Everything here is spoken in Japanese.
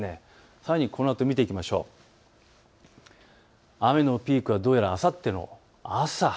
さらに、このあとを見ていきますと雨のピークはどうやらあさっての朝。